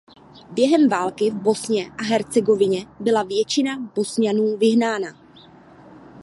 Během války v Bosně a Hercegovině byla většina Bosňáků vyhnána.